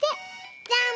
じゃん！